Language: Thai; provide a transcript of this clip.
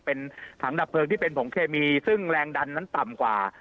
เป็นถังดับเพลิงที่เป็นผงเคมีซึ่งแรงดันนั้นต่ำกว่า